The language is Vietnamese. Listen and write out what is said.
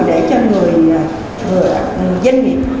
để cho người doanh nghiệp